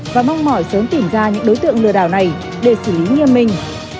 và mong mỏi sớm tìm ra những đối tượng lừa đảo này để xử lý nghiêm minh